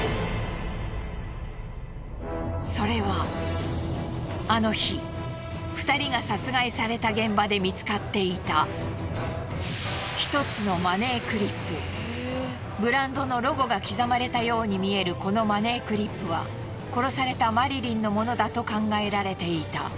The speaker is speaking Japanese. それはあの日２人が殺害された現場で見つかっていた１つのブランドのロゴが刻まれたように見えるこのマネークリップは殺されたマリリンのものだと考えられていた。